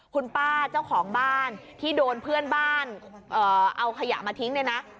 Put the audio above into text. คุณป้าเจ้าของบ้านที่โดนเพื่อนบ้านเอาขยะมาทิ้งเนี่ยนะ